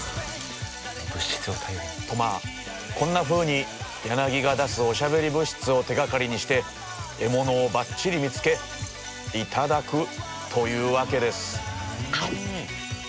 まあこんなふうにヤナギが出すおしゃべり物質を手がかりにして獲物をばっちり見つけ頂くというわけです。